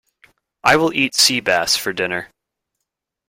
I will eat sea bass for dinner.